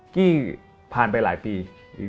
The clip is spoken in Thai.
กี้ผ่านไปหลายปี